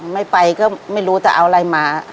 ไม่ไปก็ไม่รู้จะเอาอะไรมา